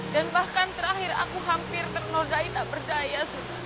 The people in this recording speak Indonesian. dan bahkan terakhir aku hampir ternodai tak berdaya